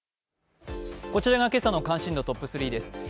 こちらが今朝の関心度トップ３です。